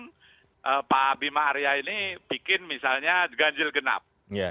kemudian pak bima arya ini bikin misalnya ganjil genap